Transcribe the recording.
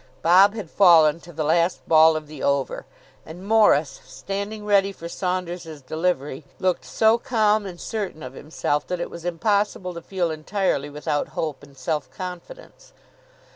Bob had fallen to the last ball of the over, and Morris, standing ready for Saunders's delivery, looked so calm and certain of himself that it was impossible to feel entirely without hope and self confidence.